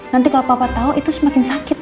nanti kalau papa tahu itu semakin sakit